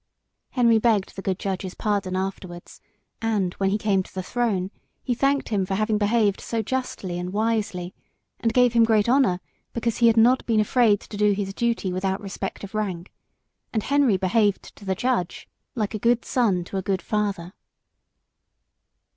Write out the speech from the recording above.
Henry begged the good judge's pardon afterwards, and when he came to the throne he thanked him for having behaved so justly and wisely, and gave him great honour because he had not been afraid to do his duty without respect of rank, and Henry behaved to the judge like a good son to a good father.